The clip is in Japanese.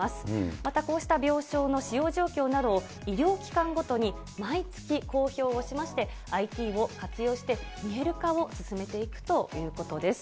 またこうした病床の使用状況などを、医療機関ごとに毎月公表をしまして、ＩＴを活用して、見える化を進めていくということです。